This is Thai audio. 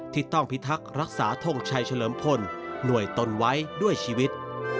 ที่ต้องพิทักษ์รักษาทงชัยเฉลิมพลหน่วยตนไว้ด้วยชีวิต